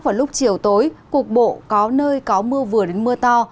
vào lúc chiều tối cục bộ có nơi có mưa vừa đến mưa to